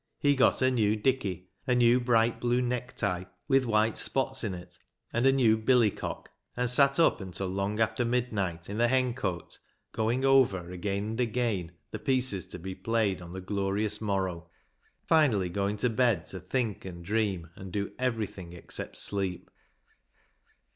He got a new "dicky," a new bright blue necktie, with white spots in it, and a new billy cock, and sat up until long after midnight in the hencote going over again and again the pieces to be played on the glorious morrow, finally going to bed to think and dream and do everything except sleep.